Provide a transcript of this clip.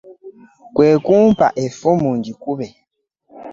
Kwe kumpa effumu ngikube.